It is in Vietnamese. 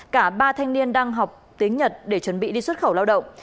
cả ba thanh niên đang học tiếng nhật để chuẩn bị đi xuất khẩu lao động